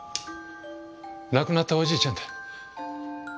亡くなったおじいちゃんだ。